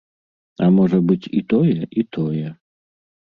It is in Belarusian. А можа быць, і тое, і тое.